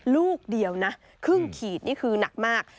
ลูกเดียวนะครึ่งขีดนี่คือหนักมาก